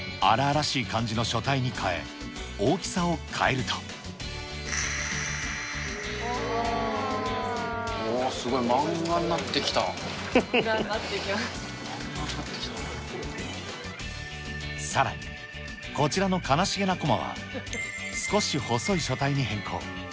荒々しい感じの書体に変え、わー、すごい、漫画になってさらに、こちらの悲しげなコマは、少し細い書体に変更。